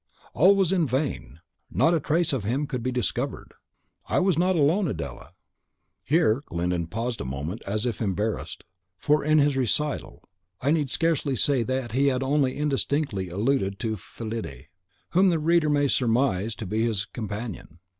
All was in vain; not a trace of him could be discovered. I was not alone, Adela." Here Glyndon paused a moment, as if embarrassed; for in his recital, I need scarcely say that he had only indistinctly alluded to Fillide, whom the reader may surmise to be his companion.